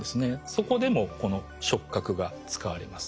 そこでもこの触角が使われます。